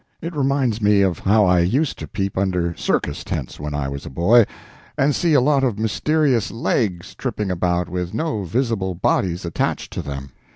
It reminds me of how I used to peep under circus tents when I was a boy and see a lot of mysterious legs tripping about with no visible bodies attached to them.